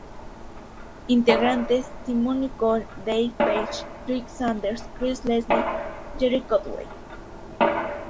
Integrantes: Simon Nicol, Dave Pegg, Ric Sanders, Chris Leslie, Gerry Conway.